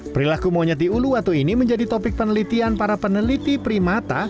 perilaku monyet di uluwatu ini menjadi topik penelitian para peneliti primata